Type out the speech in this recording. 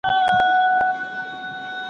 ايا د اقتصاد پرمختګ د ټولو په ګټه دی؟